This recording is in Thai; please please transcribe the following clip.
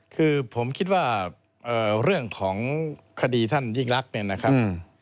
คือผมคิดว่าเรื่องของคดีท่านยิ่งรักเนี่ยนะครับ